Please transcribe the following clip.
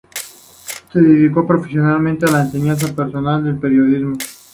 Se dedicó profesionalmente a la enseñanza personal y al periodismo.